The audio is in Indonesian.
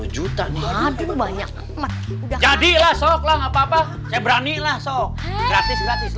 satu ratus lima puluh juta nih banyak jadi lah soklah ngapa ngapa